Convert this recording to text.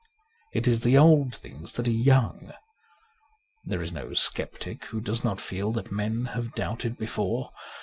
It is the old things that are young. There is no sceptic who does not feel that men have doubted before.